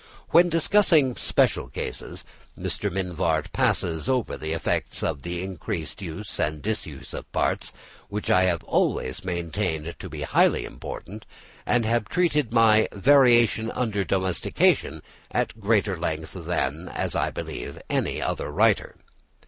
When discussing special cases, Mr. Mivart passes over the effects of the increased use and disuse of parts, which I have always maintained to be highly important, and have treated in my "Variation under Domestication" at greater length than, as I believe, any other writer.